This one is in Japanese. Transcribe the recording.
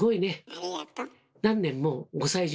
ありがと。